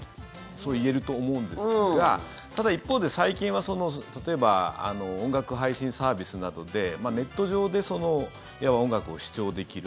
そう言えると思うんですがただ一方で、最近は例えば音楽配信サービスなどでネット上で音楽を視聴できる。